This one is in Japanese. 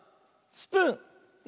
スプーン